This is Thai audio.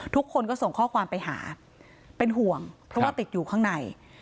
ทุกคนก็ส่งข้อความไปหาเป็นห่วงเพราะว่าติดอยู่ข้างใน